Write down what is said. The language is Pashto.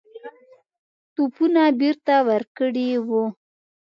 توپونه بیرته ورکړي وه.